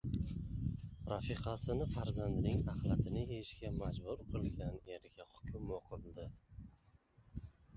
Rafiqasini farzandining axlatini yeyishga majbur qilgan erga hukm o‘qildi